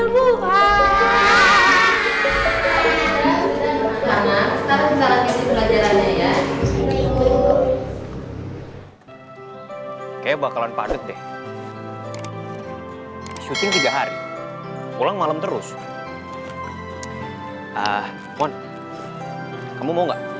kayak bakalan padat deh syuting tiga hari pulang malam terus ah mon kamu mau nggak